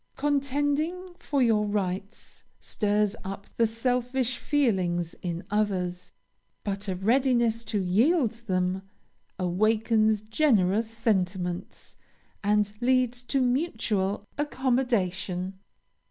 Contending for your rights stirs up the selfish feelings in others; but a readiness to yield them awakens generous sentiments, and leads to mutual accommodation.